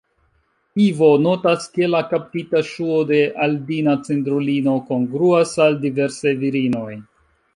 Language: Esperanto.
Ivo notas, ke la kaptita ŝuo de Aldina-Cindrulino kongruas al diversaj virinoj.